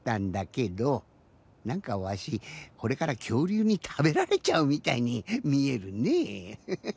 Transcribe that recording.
なんかわしこれからきょうりゅうにたべられちゃうみたいにみえるねフフ。